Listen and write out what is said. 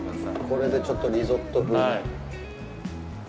これでちょっとリゾット風に。